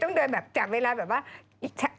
ต้องเดินจากเวลาแบบว่าช้า